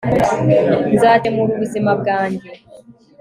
nzakemura ubuzima bwanjye